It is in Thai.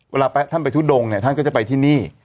ท่านไปทุดงเนี่ยท่านก็จะไปที่นี่